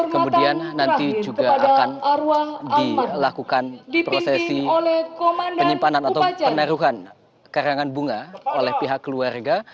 kemudian nanti juga akan dilakukan prosesi penyimpanan atau penaruhan karangan bunga oleh pihak keluarga